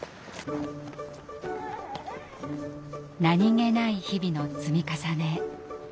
何気ない日々の積み重ね。